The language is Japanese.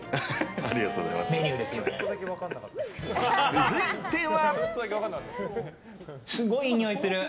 続いては。